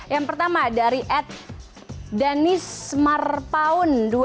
yang pertama dari at danismarpaun dua